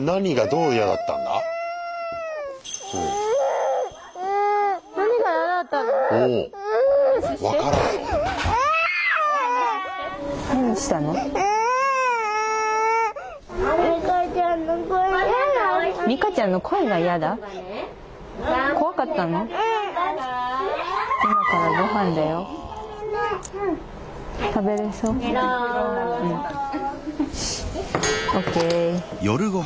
うん。ＯＫ。